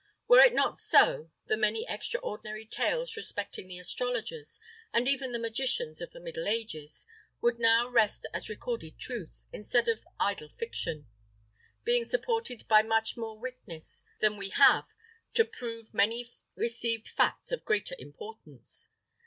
Were it not so, the many extraordinary tales respecting the astrologers, and even the magicians of the middle ages, would now rest as recorded truth, instead of idle fiction, being supported by much more witness than we have to prove many received facts of greater importance.